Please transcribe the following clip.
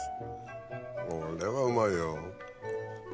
これはうまいよ。